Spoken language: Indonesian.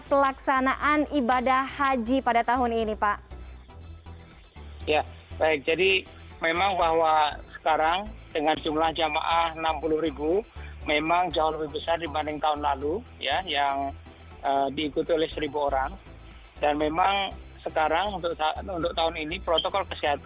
selamat merayakan idul adha pak terima kasih sudah bergabung bersama kami